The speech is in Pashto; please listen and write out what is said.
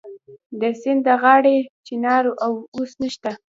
د سیند د غاړې چنار اوس نشته